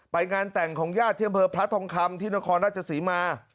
ไปงานแต่งของญาติเที่ยงบริษัทพระทองคำที่นครราชสีมา